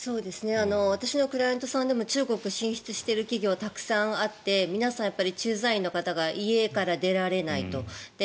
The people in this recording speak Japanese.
私のクライアントさんでも中国にいる方がたくさんいて皆さん、やっぱり駐在員の方が家から出られないと。